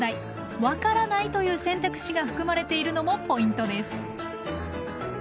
「わからない」という選択肢がふくまれているのもポイントです。